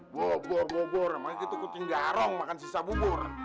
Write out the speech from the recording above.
bubur bubur emangnya kita kucing jarong makan sisa bubur